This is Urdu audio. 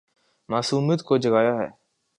معصومیت کو جگایا ہے